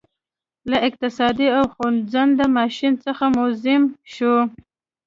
له اقتصاد له خوځنده ماشین څخه موزیم شو